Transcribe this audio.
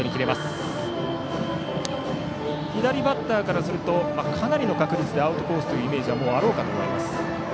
左バッターからするとかなりの確率でアウトコースというイメージはもうあろうかと思います。